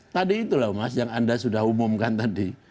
jadi itulah mas yang anda sudah umumkan tadi